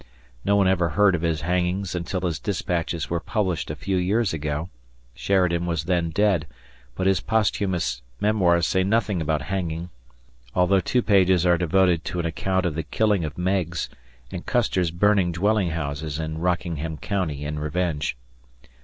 No one ever heard of his hangings until his dispatches were published a few years ago; Sheridan was then dead, but his posthumous memoirs say nothing about hanging, although two pages are devoted to an account of the killing of Meigs and Custer's burning dwelling houses in Rockingham County in revenge.